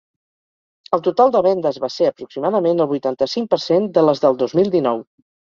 El total de vendes va ser, aproximadament, el vuitanta-cinc per cent de les del dos mil dinou.